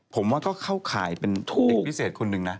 ผมว่าก็เข้าข่ายเป็นเด็กพิเศษคนหนึ่งนะ